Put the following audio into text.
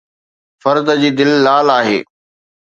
فرد جي دل لال آهي